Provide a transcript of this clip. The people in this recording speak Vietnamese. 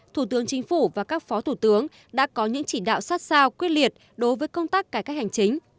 thủ tướng chính phủ và các phó thủ tướng đã có những chỉ đạo sát sao quyết liệt đối với công tác cải cách hành chính